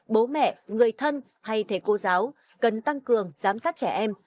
bố mẹ người thân hay thầy cô giáo cần tăng cường giám sát trẻ em